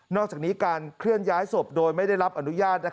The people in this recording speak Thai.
อกจากนี้การเคลื่อนย้ายศพโดยไม่ได้รับอนุญาต